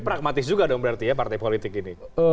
pragmatis juga dong berarti ya partai politik ini